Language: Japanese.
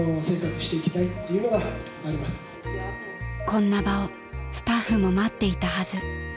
［こんな場をスタッフも待っていたはず］